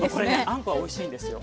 あんこおいしいんですよ。